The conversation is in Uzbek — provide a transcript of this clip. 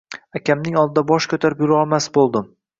Akamning oldida bosh ko`tarib yurolmas bo`ldim